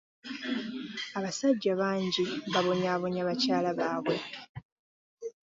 Abasajja bangi babonyaabonya bakyala baabwe.